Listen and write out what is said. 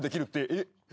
えっ？